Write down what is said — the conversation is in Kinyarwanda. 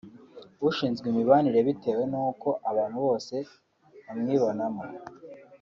ushinzwe imibanire bitewe n’uko abantu bose bamwibonamo